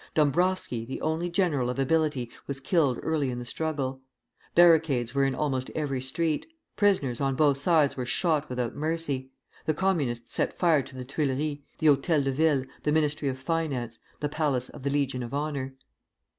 Dombrowski, the only general of ability, was killed early in the struggle. Barricades were in almost every street. Prisoners on both sides were shot without mercy. The Communists set fire to the Tuileries, the Hôtel de Ville, the Ministry of Finance, the Palace of the Legion of Honor.